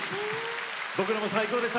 僕らも最高でした。